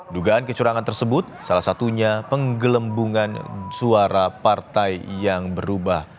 dugaan kecurangan tersebut salah satunya penggelembungan suara partai yang berubah